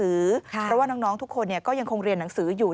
เพราะว่าน้องทุกคนก็ยังคงเรียนหนังสืออยู่